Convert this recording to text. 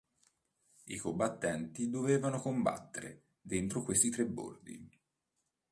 I combattenti dovevano combattere dentro questi tre bordi.